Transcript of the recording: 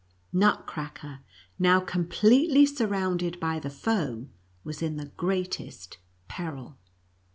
Nutcracker, now completely sur rounded by the foe, was in the greatest peril.